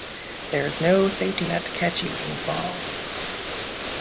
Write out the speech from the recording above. There is no safety net to catch you when you fall.